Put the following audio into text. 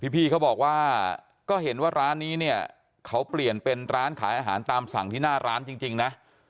พี่เขาบอกว่าก็เห็นว่าร้านนี้เนี่ยเขาเปลี่ยนเป็นร้านขายอาหารตามสั่งที่หน้าร้านจริงนะ